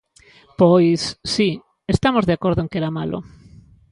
Pois, si, estamos de acordo en que era malo.